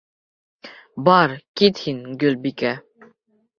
Бар, кит һин, Гөлбикә.